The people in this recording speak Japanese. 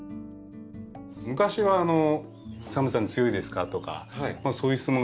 昔は「寒さに強いですか？」とかそういう質問